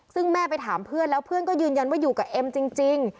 ซึ่งแม่ไปถามเพื่อนแล้วเพื่อนก็ยืนยันว่าอยู่กับเอ็มจริง